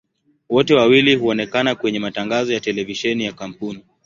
Wote wawili huonekana kwenye matangazo ya televisheni ya kampuni.